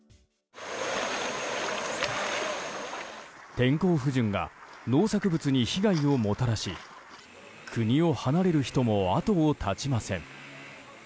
天候不順が農作物に被害をもたらし国を離れる人も後を絶ちません。